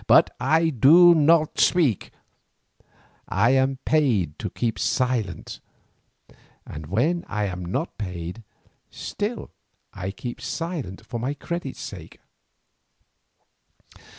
But I do not speak, I am paid to keep silent; and when I am not paid, still I keep silent for my credit's sake.